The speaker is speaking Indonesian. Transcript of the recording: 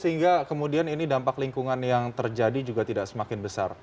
sehingga kemudian ini dampak lingkungan yang terjadi juga tidak semakin besar